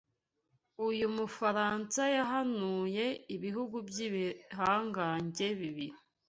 uyu mufaransa yahanuye ibihugu by'ibihangange bibiri